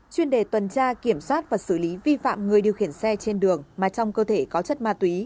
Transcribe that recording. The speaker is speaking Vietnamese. chuyên đề tuần tra kiểm soát và xử lý vi phạm người điều khiển xe trên đường mà trong cơ thể có chất ma túy